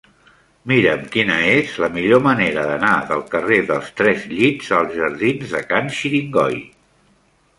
Mira'm quina és la millor manera d'anar del carrer dels Tres Llits als jardins de Can Xiringoi.